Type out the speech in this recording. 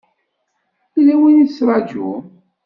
Yella win i tettṛajum?